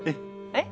えっ？